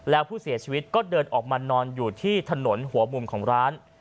แล้วผู้เสียชีวิตก็เดินออกมานอนอยู่ที่ถนนหัวมุมของร้าน